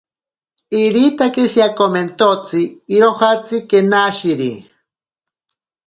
Iritake shiakomentotsi irojatsi kenashiri.